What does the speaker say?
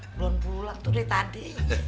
belum pulang tuh dari tadi